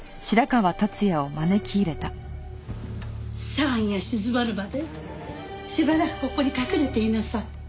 騒ぎが静まるまでしばらくここに隠れていなさい。